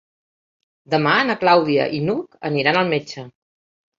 Demà na Clàudia i n'Hug aniran al metge.